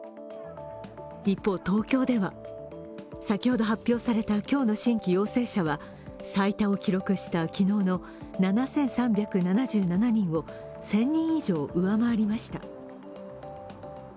一方、東京では先ほど発表された今日の新規陽性者は、最多を記録した昨日の７３７７人を１０００人以上上回りました。